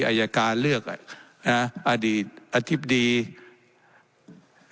และยังเป็นประธานกรรมการอีก